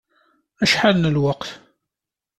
Acḥal n lweqt?